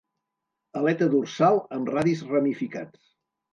Aleta dorsal amb radis ramificats.